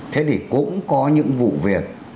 thế thì cũng có những vụ việc